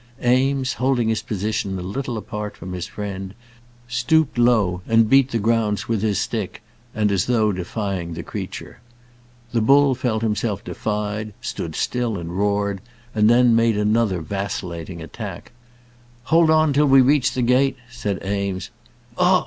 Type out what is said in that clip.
Eames, holding his position a little apart from his friend, stooped low and beat the ground with his stick, and as though defying the creature. The bull felt himself defied, stood still and roared, and then made another vacillating attack. "Hold on till we reach the gate," said Eames. "Ugh!